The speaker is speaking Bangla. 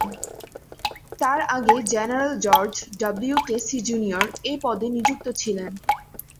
তার আগে general George W Casey, junior এই পদে নিযুক্ত ছিলেন।